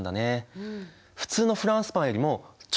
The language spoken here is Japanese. うん。